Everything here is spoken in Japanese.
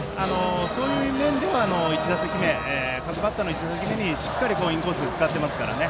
そういう面では各バッターの１打席目にしっかりインコースを使っていますからね。